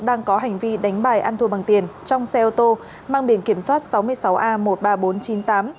đang có hành vi đánh bài ăn thua bằng tiền trong xe ô tô mang biển kiểm soát sáu mươi sáu a một mươi ba nghìn bốn trăm chín mươi tám